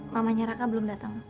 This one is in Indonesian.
mamanya raka belum datang